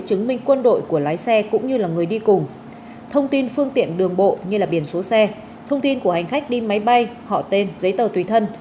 chứng minh quân đội của lái xe cũng như là người đi cùng thông tin phương tiện đường bộ như biển số xe thông tin của hành khách đi máy bay họ tên giấy tờ tùy thân